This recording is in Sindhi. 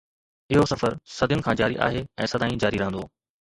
اهو سفر صدين کان جاري آهي ۽ سدائين جاري رهندو.